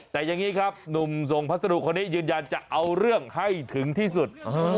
แต่อย่างนี้ครับหนุ่มส่งพัสดุคนนี้ยืนยันจะเอาเรื่องให้ถึงที่สุด